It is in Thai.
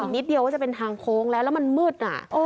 นิดเดียวก็จะเป็นทางโค้งแล้วแล้วมันมืด